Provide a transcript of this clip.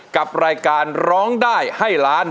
กับรายการร้องได้ให้ล้าน